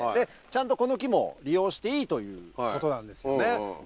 ちゃんとこの木も利用していいということなんですよね。